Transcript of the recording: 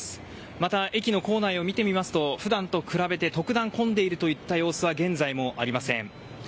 また、駅の構内を見てみますと普段と比べて特段混んでいる様子は現在もありません。